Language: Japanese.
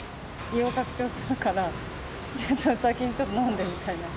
胃を拡張するから、先にちょっと飲んでみたいな。